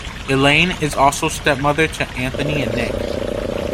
Elaine is also stepmother to Anthony and Nick.